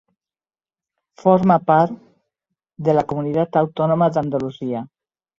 Forma part de la Comunitat Autònoma d'Andalusia.